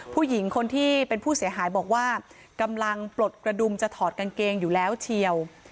ผู้หญิงคนที่เป็นผู้เสียหายบอกว่ากำลังปลดกระดุมจะถอดกางเกงอยู่แล้วเชียว